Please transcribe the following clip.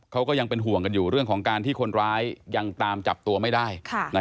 เขาก็ยังเป็นห่วงกันอยู่เรื่องของการที่คนร้ายยังตามจับตัวไม่ได้